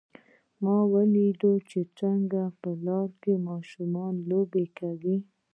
ما ولیدل چې په لاره کې ماشومان لوبې کوي